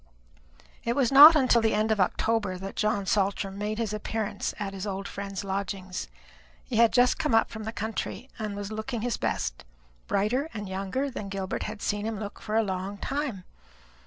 It was not until the end of October that John Saltram made his appearance at his old friend's lodgings. He had just come up from the country, and was looking his best brighter and younger than Gilbert had seen him look for a long time.